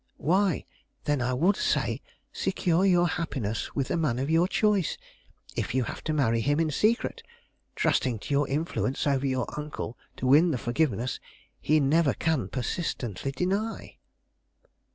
"Why, then I would say, secure your happiness with the man of your choice, if you have to marry him in secret, trusting to your influence over your uncle to win the forgiveness he never can persistently deny."